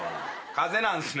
風邪なんすね。